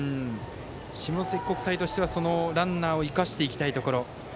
下関国際としてはランナーを生かしていきたいところ。